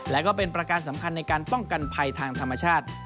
และก็เป็นประการสำคัญในการป้องกันภัยทางธรรมชาติ